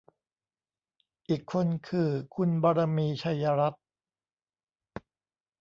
อีกคนคือ คุณบารมี ชัยรัตน์